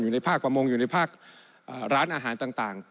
ในภาคประมงอยู่ในภาคร้านอาหารต่าง